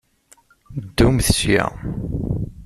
Ddumt sya!